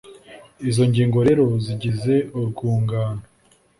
Izo ngingo rero zigize urwungano